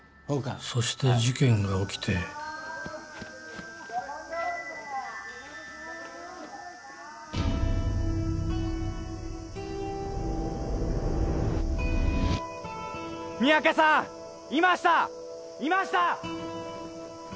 ・そして事件が起きて三宅さん！いましたいました！